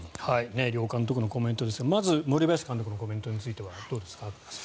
両監督のコメントですがまず森林監督のコメントについてはどうですか。